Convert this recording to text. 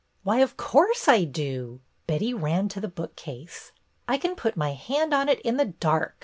"Why, of course I do!" Betty ran to the bookcase. "I can put my hand on it in the dark.